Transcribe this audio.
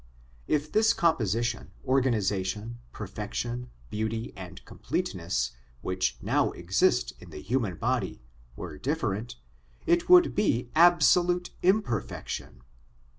If this composition, organisation, perfection, beauty, and completeness which now exist in the human body were different, it would be absolute imperfection.